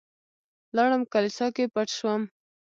لاړم کليسا کې پټ شوم.